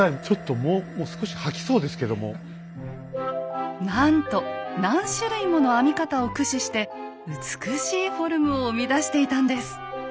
ちょっともうもう少しなんと何種類もの編み方を駆使して美しいフォルムを生み出していたんです。